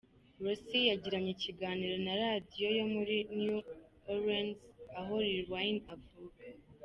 Ross yagiranye ikiganiro na Radio yo muri New Olreans, aho Lil wayne avuka,.